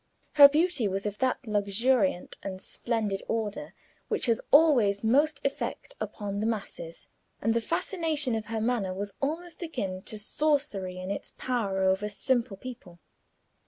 Her beauty was of that luxuriant and splendid order which has always most effect upon the masses, and the fascination of her manner was almost akin to sorcery in its power over simple people.